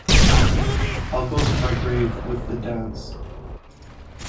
I'll go to my grave with The Dance.